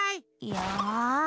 よし！